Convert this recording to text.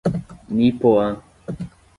Nipoã